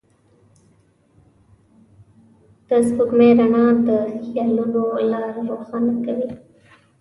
د سپوږمۍ رڼا د خيالونو لاره روښانه کوي.